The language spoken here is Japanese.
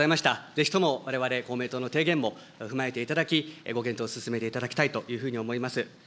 ぜひともわれわれ公明党の提言も踏まえていただき、ご検討進めていただきたいというふうに思います。